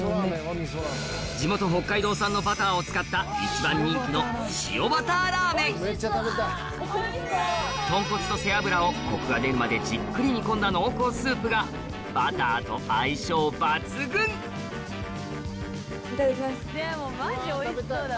地元北海道産のバターを使った一番人気の豚骨と背脂をコクが出るまでじっくり煮込んだねぇもうマジおいしそうだよ。